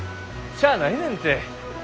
しゃあないねんて。